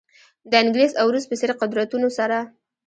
د انګریز او روس په څېر قدرتونو سره.